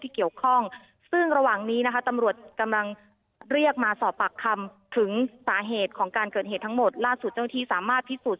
ของการเกิดเหตุทั้งหมดล่าสูตรเจ้าหน้าที่สามารถพิสูจน์